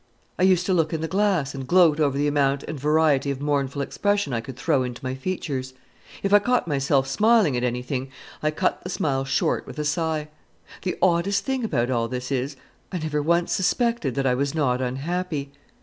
I used to look in the glass and gloat over the amount and variety of mournful expression I could throw into my features. If I caught myself smiling at anything, I cut the smile short with a sigh. The oddest thing about all this is, I never once suspected that I was not unhappy.